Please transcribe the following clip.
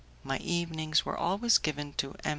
My evenings were always given to M.